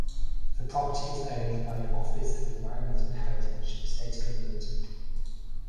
The property is owned by Office of Environment and Heritage (State Government).